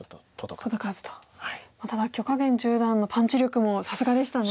ただ許家元十段のパンチ力もさすがでしたね。